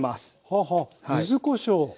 はあはあ柚子こしょうほう！